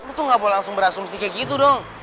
lo tuh nggak boleh langsung berasumsi kayak gitu dong